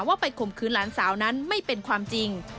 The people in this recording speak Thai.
ว่าไปข่มขืนหลานสาวนั้นไม่เป็นความจริง